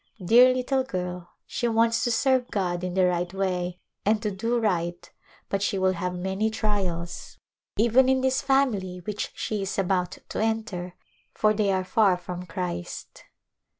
Dear little girl, she wants to serve God in the right way and to do right but she will have many trials A Glimpse of India even in this family which she is about to enter, for they are far from Christ.